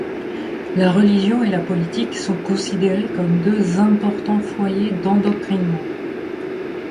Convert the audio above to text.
La religion et la politique sont considérées comme deux importants foyers d’endoctrinement.